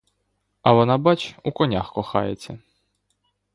А вона, бач, у конях кохається!